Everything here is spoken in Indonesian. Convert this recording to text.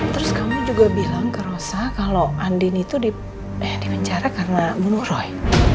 terus kamu juga bilang ke rosa kalau andin itu dipenjara karena bunuh roy